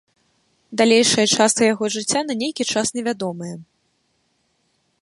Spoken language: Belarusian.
Далейшая частка яго жыцця на нейкі час невядомая.